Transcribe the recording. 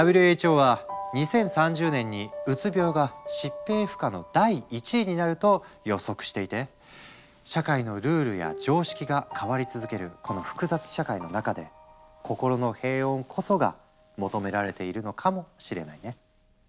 ＷＨＯは「２０３０年にうつ病が疾病負荷の第１位になる」と予測していて社会のルールや常識が変わり続けるこの複雑社会の中で「心の平穏」こそが求められているのかもしれないね。